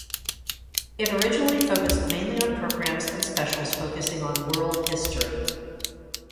It originally focused mainly on programs and specials focusing on world history.